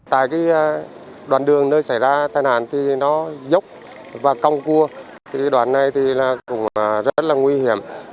tại đoàn đường nơi xảy ra tai nạn thì nó dốc và cong cua đoàn này cũng rất là nguy hiểm